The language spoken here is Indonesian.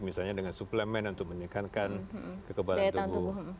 misalnya dengan suplemen untuk meningkatkan kekebalan tubuh